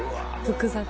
複雑。